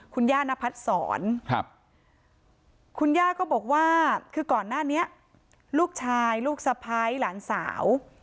คุณย่านพัดศรครับคุณย่าก็บอกว่าคือก่อนหน้านี้ลูกชายลูกสะพ้ายหลานสาว